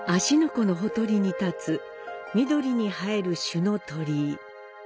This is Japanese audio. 湖のほとりに立つ緑に映える朱の鳥居。